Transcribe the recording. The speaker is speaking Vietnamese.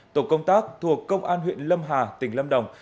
tổ công tác thuộc công an huyện lâm hà tỉnh lâm đồng